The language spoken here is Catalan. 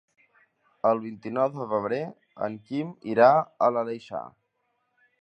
El vint-i-nou de febrer en Quim irà a l'Aleixar.